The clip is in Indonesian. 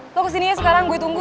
lo kesini ya sekarang gue tunggu